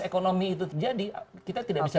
ekonomi itu terjadi kita tidak bisa